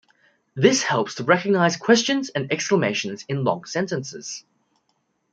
This helps to recognize questions and exclamations in long sentences.